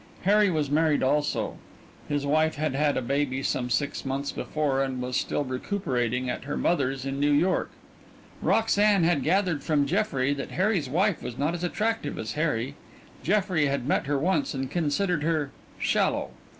Harry was married also. His wife had had a baby some six months before and was still recuperating at her mother's in New York. Roxanne had gathered from Jeffrey that Harry's wife was not as attractive as Harry Jeffrey had met her once and considered her "shallow."